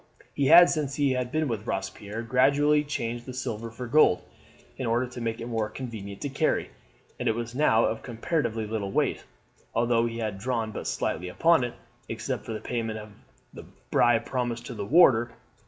He had, since he had been with Robespierre, gradually changed the silver for gold in order to make it more convenient to carry, and it was now of comparatively little weight, although he had drawn but slightly upon it, except for the payment of the bribe promised to the warder.